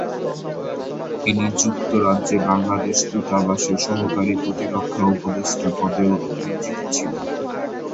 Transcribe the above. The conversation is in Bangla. তিনি যুক্তরাজ্যে বাংলাদেশ দূতাবাসে সহকারী প্রতিরক্ষা উপদেষ্টা পদেও নিয়োজিত ছিলেন।